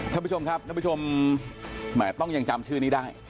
ท่านผู้ชมครับท่านผู้ชมแหมต้องยังจำชื่อนี้ได้